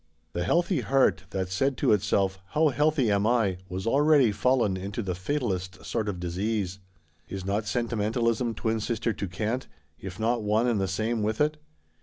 The healthy heart that said to itself, "How healthy am I!" was already fallen into the fatalest sort of disease. Is not Sentimentalism twin sister to Cant, if not one and the same with it?